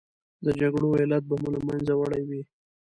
د جګړو علت به مو له منځه وړی وي.